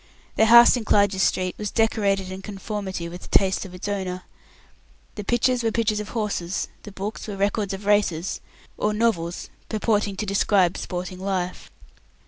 The house in Clarges Street was decorated in conformity with the tastes of its owner. The pictures were pictures of horses, the books were records of races, or novels purporting to describe sporting life.